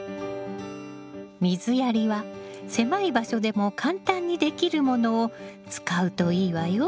水やりは狭い場所でも簡単にできるものを使うといいわよ。